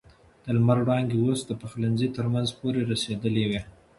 د لمر وړانګې اوس د پخلنځي تر منځه پورې رسېدلې وې.